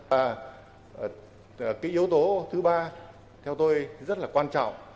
và cái yếu tố thứ ba theo tôi rất là quan trọng